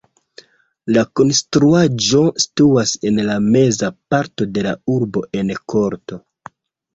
La konstruaĵo situas en la meza parto de la urbo en korto.